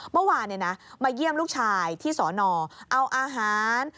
เมื่อวานมาเยี่ยมลูกชายที่สอนอเอาอาหาร